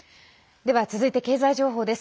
では、続いて経済情報です。